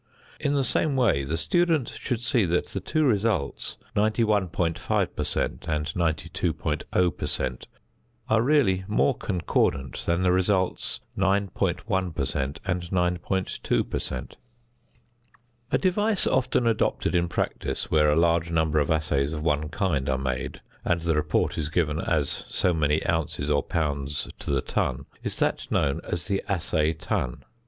In the same way the student should see that the two results, 91.5 per cent. and 92.0 per cent., are really more concordant than the results 9.1 per cent. and 9.2 per cent. A device often adopted in practice where a large number of assays of one kind are made, and the report is given as so many ounces or pounds to the ton, is that known as the assay ton.